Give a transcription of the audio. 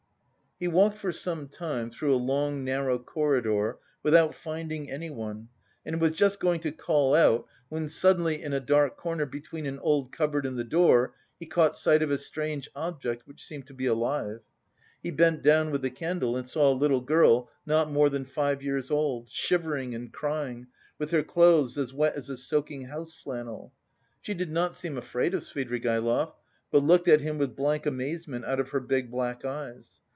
He walked for some time through a long narrow corridor without finding anyone and was just going to call out, when suddenly in a dark corner between an old cupboard and the door he caught sight of a strange object which seemed to be alive. He bent down with the candle and saw a little girl, not more than five years old, shivering and crying, with her clothes as wet as a soaking house flannel. She did not seem afraid of Svidrigaïlov, but looked at him with blank amazement out of her big black eyes.